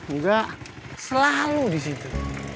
enggak selalu di situ